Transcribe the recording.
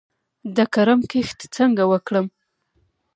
د کرم کښت څنګه وکړم؟